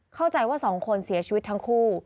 เข้าใจว่าสองคนเสียชีวิตทั้งคู่